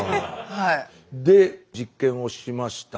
で実験をしました。